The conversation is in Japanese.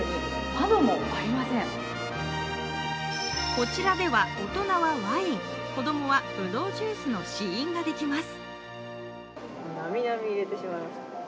こちらでは大人はワイン、子供はぶどうジュースの試飲ができます。